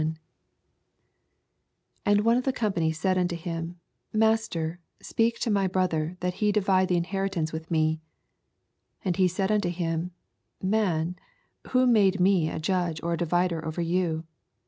If And one of the company said unU him, Master, speak to my hro ther, that he divide the inheritauce with me. 14 And he said nnto him, Man, who made me a judge or a divider over you